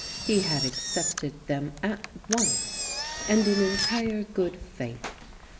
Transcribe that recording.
He had accepted them at once and in entire good faith.